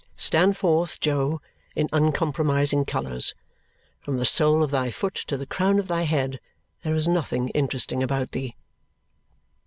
Stand forth, Jo, in uncompromising colours! From the sole of thy foot to the crown of thy head, there is nothing interesting about thee.